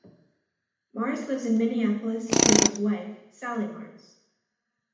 Mars lives in Minneapolis with his wife, Sally Mars.